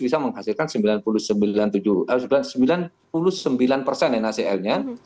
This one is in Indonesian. bisa menghasilkan sembilan puluh sembilan persen nacl nya